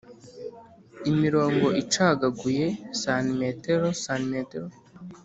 imirongo icagaguye cm , cm